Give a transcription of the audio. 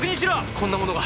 こんなものが。